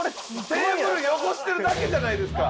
テーブル汚してるだけじゃないですか！